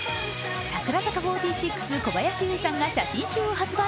櫻坂４６、小林由依さんが写真集を発売。